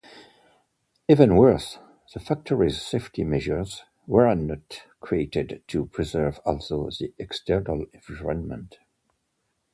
Even worse, the factory's safety measures weren't created to preserve also the external environment.